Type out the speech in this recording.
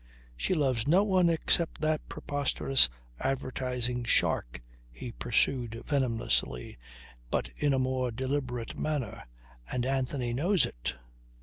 "She loves no one except that preposterous advertising shark," he pursued venomously, but in a more deliberate manner. "And Anthony knows it."